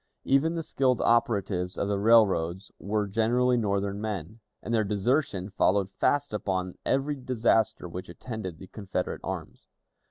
Even the skilled operatives of the railroads were generally Northern men, and their desertion followed fast upon every disaster which attended the Confederate arms.